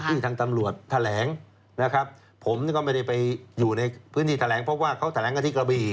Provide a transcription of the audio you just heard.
ที่ทางตำรวจแถลงนะครับผมก็ไม่ได้ไปอยู่ในพื้นที่แถลงเพราะว่าเขาแถลงกันที่กระบี่